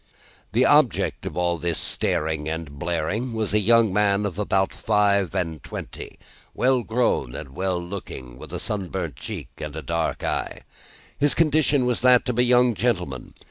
The object of all this staring and blaring, was a young man of about five and twenty, well grown and well looking, with a sunburnt cheek and a dark eye. His condition was that of a young gentleman.